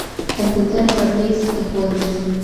کمپيوټر پر مېز ايښوول کيږي.